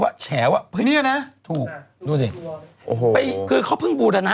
ว่าแฉวน่ะถูกน่ะดูสิโอ้โหไปคือเขาพึ่งบูตถนะ